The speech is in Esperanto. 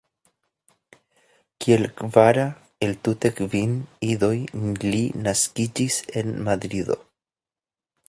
Kiel kvara el entute kvin idoj li naskiĝis en Madrido.